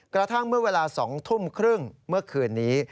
กระทั่งเมื่อเวลา๒ทุ่มครึ่งเมื่อคืนนี้